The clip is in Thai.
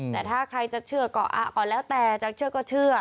แต่ถ้าใครจะเชื่อก็แล้วแต่จะเชื่อก็เชื่อ